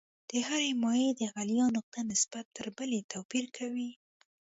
د هرې مایع د غلیان نقطه نسبت تر بلې توپیر کوي.